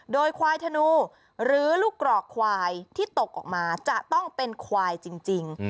โดยควายธนูหรือลูกกรอกควายที่ตกออกมาจะต้องเป็นควายจริง